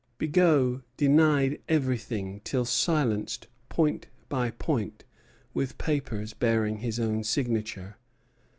Bigot denied everything till silenced point by point with papers bearing his own signature.